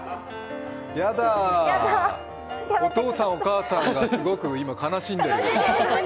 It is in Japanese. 嫌だ、お父さんお母さんが今すごく悲しんでる。